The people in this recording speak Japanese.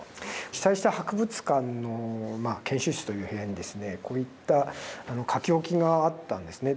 被災した博物館の研修室という部屋にですねこういった書き置きがあったんですね。